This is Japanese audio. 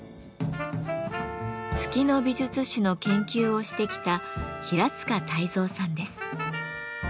月の美術史の研究をしてきた平塚泰三さんです。